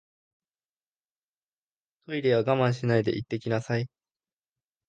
トイレは我慢しないで行ってきなさい